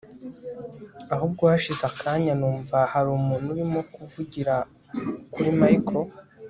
ubwo hashize akanya numva harumuntu urimo kuvugira kuri micro